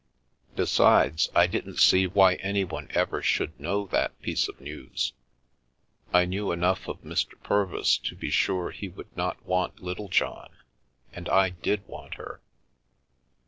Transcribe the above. Besides, I didn't see why anyone ever should know that piece of news — I knew enough of Mr. Purvis to be sure he would not want Littlejohn —and I did want her.